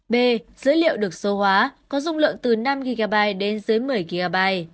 b dữ liệu được số hóa có dung lượng từ năm gb đến dưới một mươi gb